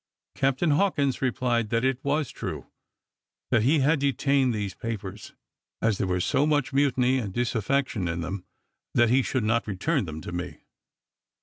Captain Hawkins replied, that it was true that he had detained these papers, as there was so much mutiny and disaffection in them, and that he should not return them to me.